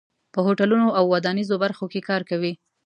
په هوټلونو او ودانیزو برخو کې کار کوي.